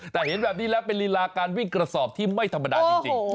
แต่เห็นแบบนี้แล้วเป็นลีลาการวิ่งกระสอบที่ไม่ธรรมดาจริง